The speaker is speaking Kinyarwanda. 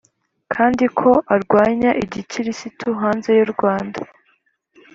kandi ko arwanya igikirisitu Hanze y urwanda